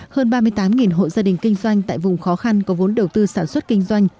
hơn ba mươi tám hộ gia đình kinh doanh tại vùng khó khăn có vốn đầu tư sản xuất kinh doanh